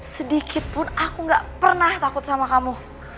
sedikit pun aku gak pernah takut sama kamu